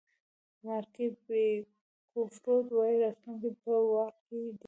ماري پیکفورډ وایي راتلونکی په واک کې دی.